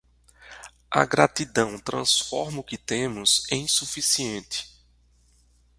A gratidão transforma o que temos em suficiente.